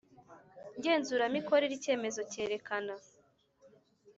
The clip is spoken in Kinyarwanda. Ngenzuramikorere icyemezo cyerekana